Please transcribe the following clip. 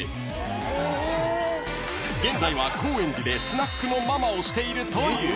［現在は高円寺でスナックのママをしているという］